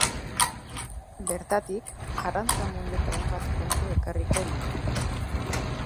Bertatik, arrantza munduko hainbat kontu ekarriko ditu.